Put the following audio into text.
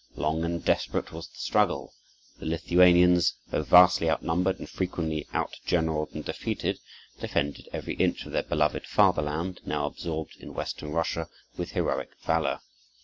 Long and desperate was the struggle. The Lithuanians, though vastly outnumbered and frequently outgeneraled and defeated, defended every inch of their beloved fatherland, now absorbed in western Russia, with heroic valor.